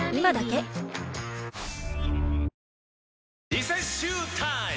リセッシュータイム！